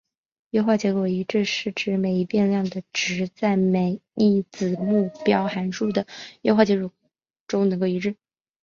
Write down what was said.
优化结果一致是指使每一变量的值在每一子目标函数的优化结果中能够一致。